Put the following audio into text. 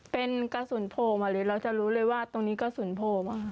เป็นกระสุนโผล่มาเลยเราจะรู้เลยว่าตรงนี้กระสุนโผล่มา